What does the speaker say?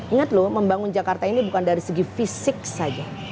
ingat loh membangun jakarta ini bukan dari segi fisik saja